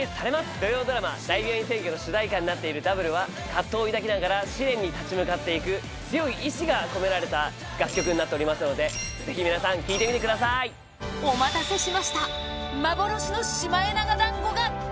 土曜ドラマ、大病院占拠の主題歌になっているＷは、葛藤を抱きながら、試練に立ち向かっていく、強い意志が込められた楽曲になっておりますので、ぜひ皆さん、お待たせしました。